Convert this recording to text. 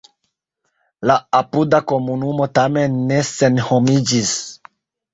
La apuda komunumo tamen ne senhomiĝis.